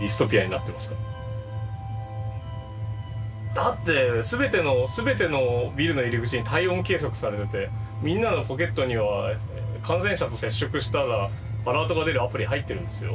だって全てのビルの入り口に体温計測されててみんなのポケットには感染者と接触したらアラートが出るアプリ入ってるんですよ。